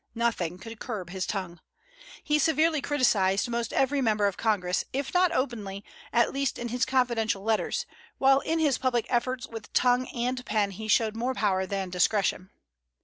Nothing could curb his tongue. He severely criticised most every member of Congress, if not openly, at least in his confidential letters; while in his public efforts with tongue and pen he showed more power than discretion.